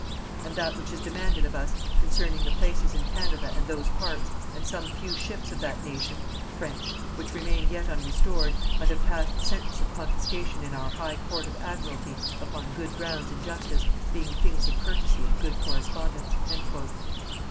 And that which is demanded of us concerning the places in Canada and those parts, and some few ships of that nation (French) which remained yet unrestored, but have passed sentence of confiscation in our high Court of Admiralty upon good grounds in justice, being things of courtesy and good correspondence."